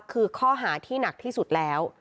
คือข้อหาที่หนักที่สุดแล้ว